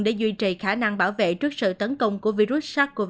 để duy trì khả năng bảo vệ trước sự tấn công của virus sars cov hai